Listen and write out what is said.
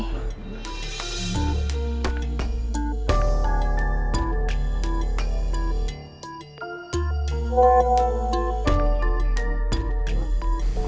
jadinya kita belum bisa ketemu